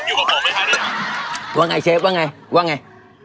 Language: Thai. ว่าอย่างไรเชฟว่าอย่างไร